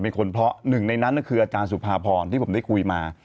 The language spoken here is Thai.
เป็นคนเพราะหนึ่งในนั้นก็คืออาจารย์สุภาพรที่ผมได้คุยมา